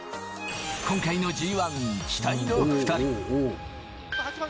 今回のＧ１、期待の２人。